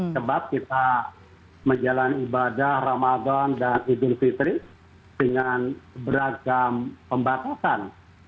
sebab kita menjalani ibadah ramadan dan idul fitri dengan beragam pembatasan